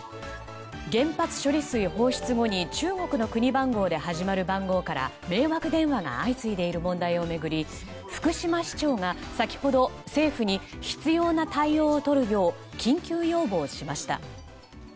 原発処理水放出後に中国の国番号で始まる番号から迷惑電話が相次いでいる問題を巡り福島市長が先ほど政府に必要な対応をとるよう緊急要望しました。